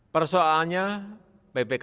persoalannya ppkm mikro